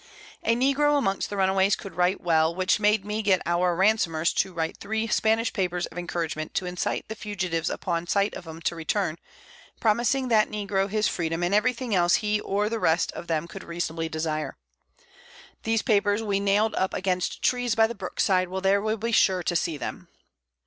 A Negro amongst the Runaways could write well, which made me get our Ransomers to write 3 Spanish Papers of Encouragement to incline the Fugitives upon sight of 'em to return, promising that Negro his Freedom and every thing else he or the rest of them could reasonably desire. These Papers we nail'd up against Trees by the Brook side, where they will be sure to see them.